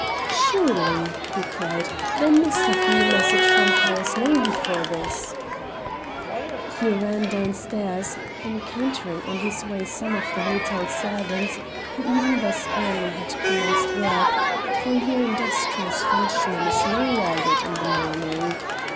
"Surely," he cried, "there must have been a message from Paris long before this!" He ran downstairs, encountering on his way some of the hotel servants, who even thus early had commenced work, for your industrious Frenchman is no laggard in the morning.